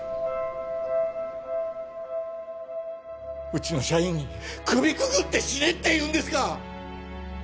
うちの社員に首くくって死ねって言うんですか！